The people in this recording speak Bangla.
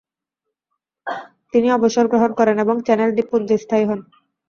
তিনি অবসর গ্রহণ করেন এবং চ্যানেল দ্বীপপুঞ্জে স্থায়ী হন।